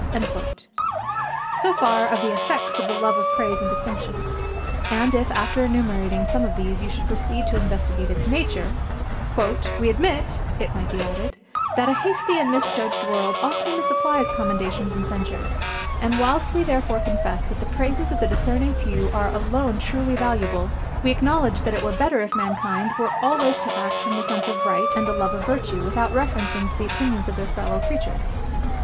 So far of the effects of the love of praise and distinction: and if after enumerating some of these, you should proceed to investigate its nature, "We admit," it might be added, "that a hasty and misjudging world often misapplies commendations and censures: and whilst we therefore confess, that the praises of the discerning few are alone truly valuable; we acknowledge that it were better if mankind were always to act from the sense of right and the love of virtue, without reference to the opinions of their fellow creatures.